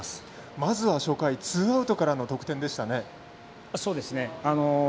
まずは初回ツーアウトからの得点でしたね。